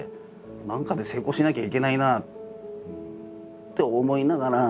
何かで成功しなきゃいけないなって思いながら。